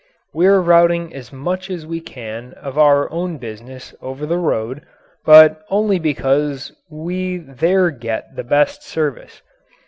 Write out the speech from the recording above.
We are routing as much as we can of our own business over the road, but only because we there get the best service.